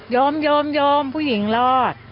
โยมโยมผู้หญิงรอด